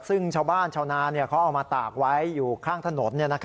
ซึ่งชาวบ้านชาวนาเขาเอามาตากไว้อยู่ข้างถนน